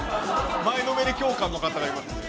前のめり共感の方がいますね。